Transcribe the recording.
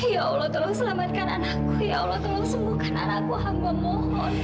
ya allah tolong selamatkan anakku